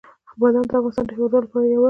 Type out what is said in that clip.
بادام د افغانستان د هیوادوالو لپاره یو ویاړ دی.